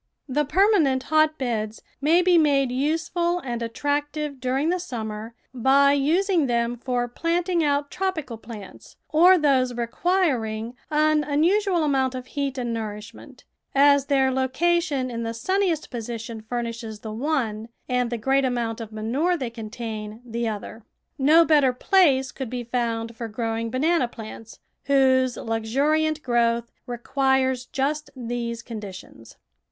The permanent hotbeds may be made useful and attractive during the summer by using them for planting out tropical plants or those requiring an unusual amount of heat and nourishmxcnt, as their location in the sunniest position furnishes the one and the great amount of manure they contain the other. No better place could be found for growing banana plants, whose luxuriant growth requires just these conditions.